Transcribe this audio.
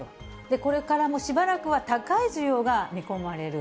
これからも、しばらくは高い需要が見込まれる。